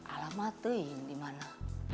alamat dui ini di mana